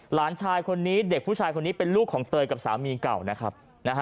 หลานชายคนนี้เด็กผู้ชายคนนี้เป็นลูกของเตยกับสามีเก่านะครับ